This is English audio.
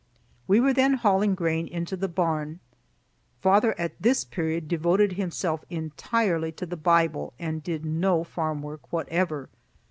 We were then hauling grain into the barn. Father at this period devoted himself entirely to the Bible and did no farm work whatever.